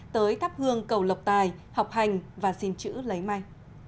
tới thắp hương cầu lộc tài học hành và xin chữ lấy may